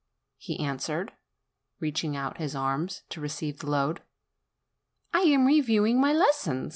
he answered, reaching out his arms to receive the load; "I am reviewing my lesson."